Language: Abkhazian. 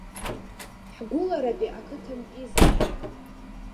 Ҳгәыларатәи ақыҭантәизаап.